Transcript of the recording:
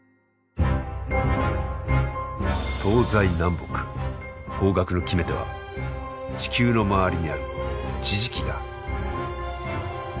東西南北方角の決め手は地球の周りにある「地磁気」だ。